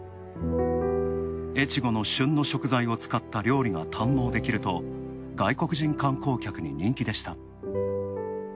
越後の旬の食材を使った料理が堪能できると外国人観光客に人気でした。